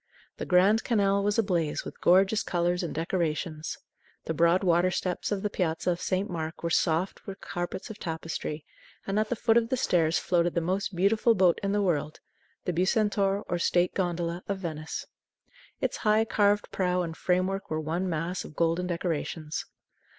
The Grand Canal was ablaze with gorgeous colors and decorations. The broad water steps of the Piazza of St. Mark was soft with carpets of tapestry, and at the foot of the stairs floated the most beautiful boat in the world, the Bucentaur or state gondola, of Venice. Its high, carved prow and framework were one mass of golden decorations.